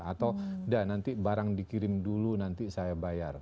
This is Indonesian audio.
atau enggak nanti barang dikirim dulu nanti saya bayar